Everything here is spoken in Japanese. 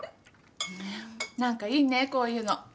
何かいいねこういうの。